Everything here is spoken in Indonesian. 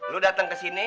lo datang ke sini